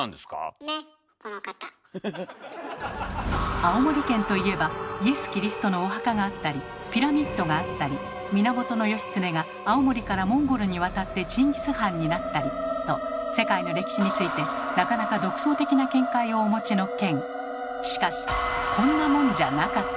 青森県といえばイエス・キリストのお墓があったりピラミッドがあったり源義経が青森からモンゴルに渡ってチンギス・ハンになったりと世界の歴史についてなかなか独創的な見解をお持ちの県。